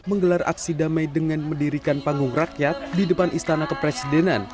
menggelar aksi damai dengan mendirikan panggung rakyat di depan istana kepresidenan